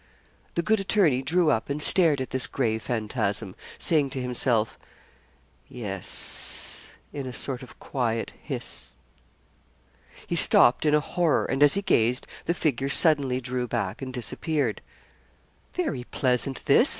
The good attorney drew up and stared at this gray phantasm, saying to himself, 'Yes,' in a sort of quiet hiss. He stopped in a horror, and as he gazed, the figure suddenly drew back and disappeared. 'Very pleasant this!'